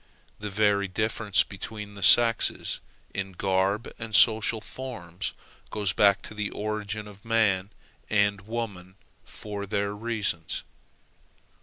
The very differences between the sexes in garb and social forms go back to the origin of man and woman for their reasons.